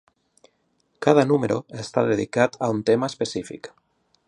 Cada número està dedicat a un tema específic.